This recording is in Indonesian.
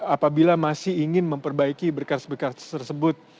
apabila masih ingin memperbaiki berkas berkas tersebut